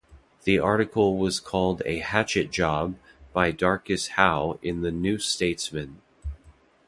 The article was called a "hatchet job" by Darcus Howe in the "New Statesman".